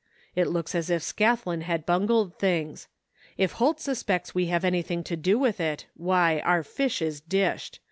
It looks as if Scathlin had bungled things. If Holt suspects we have anything to do with it, why, our fish is dished.